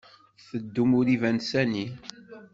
Teddun ur iban sani.